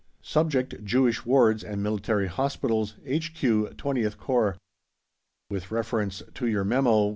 Subject: Jewish Wards, and Military Hospitals. H.Q. 20TH CORPS. With reference to your memo.